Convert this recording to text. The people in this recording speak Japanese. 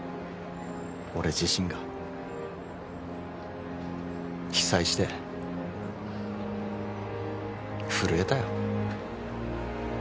俺自身が被災して震えたよ